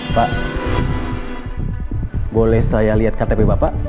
pak boleh saya lihat ktp bapak